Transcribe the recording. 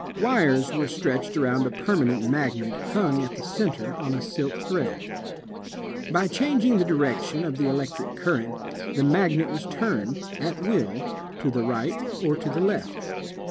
Wires were stretched around a permanent magnet hung at the center on a silk thread. By changing the direction of the electric current, the magnet was turned, at will, to the right or to the left.